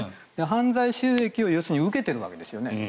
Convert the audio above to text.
犯罪収益を要するに受けているわけですよね。